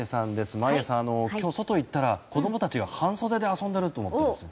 眞家さん、今日外行ったら子供たちが半袖で遊んでると思ったんですよ。